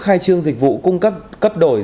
khai trương dịch vụ cung cấp cấp đổi